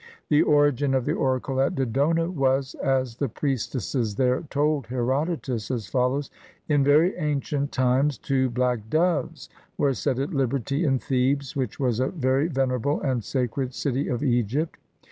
The origin of the oracle at Dodona was, as the priestesses there told Herodotus, as follows: In very ancient times, two black doves were set at liberty in Thebes, which was a very venerable and sacred city of Egypt.